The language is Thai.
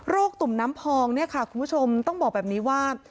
ตุ่มน้ำพองเนี่ยค่ะคุณผู้ชมต้องบอกแบบนี้ว่า